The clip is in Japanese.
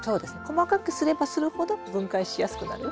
細かくすればするほど分解しやすくなる。